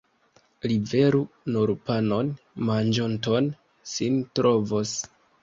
Liveru nur panon, manĝontoj sin trovos.